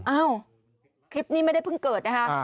อ้าวคลิปนี้ไม่ได้เพิ่งเกิดนะคะ